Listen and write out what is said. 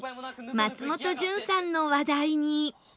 松本潤さんの話題に